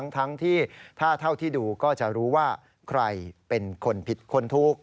ทั้งที่ถ้าเท่าที่ดูก็จะรู้ว่าใครเป็นคนผิดคนถูก